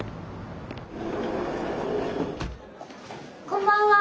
こんばんは。